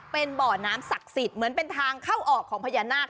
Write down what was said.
เป็นบ่อน้ำศักดิ์สิทธิ์เหมือนเป็นทางเข้าออกของพญานาค